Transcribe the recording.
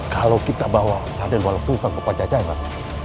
kalau kita bawa raden walang sungsang ke pajajaran